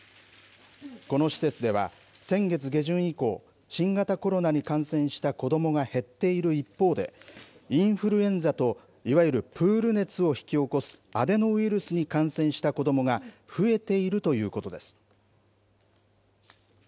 この施設では、先月下旬以降、新型コロナに感染した子どもが減っている一方で、インフルエンザといわゆるプール熱を引き起こすアデノウイルスに感染した子どもが、増えているということです。